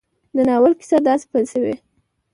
د ناول کيسه داسې پيل شوې